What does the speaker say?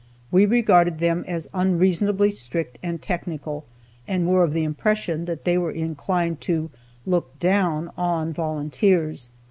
We regarded them as unreasonably strict and technical, and were of the impression that they were inclined to "look down" on volunteers.